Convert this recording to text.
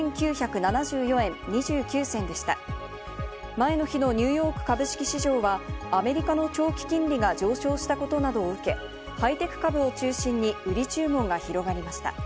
前の日のニューヨーク株式市場は、アメリカの長期金利が上昇したことなどを受け、ハイテク株を中心に売り注文が広がりました。